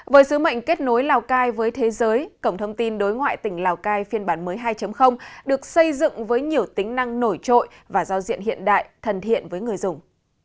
với sứ mệnh kết nối lào cai với thế giới cổng thông tin đối ngoại tỉnh lào cai phiên bản mới hai được xây dựng với nhiều tính năng nổi trội và giao diện hiện đại thân thiện với người dùng